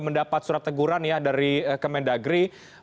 mendapat surat teguran dari kementerian negeri